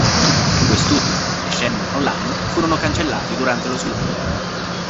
Quest'ultimo e "Shenmue Online" furono cancellati durante lo sviluppo.